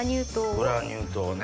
グラニュー糖ね。